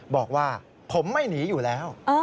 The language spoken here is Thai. บอกว่าผมไม่หนีอยู่แล้ว